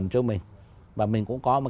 hâm mê nữa